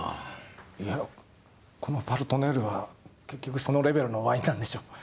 いやこの「パルトネール」は結局そのレベルのワインなんでしょう。